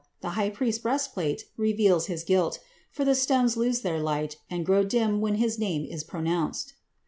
The high priest's breastplate reveals his guilt, for the stones lose their light and grow dim when his name is pronounced.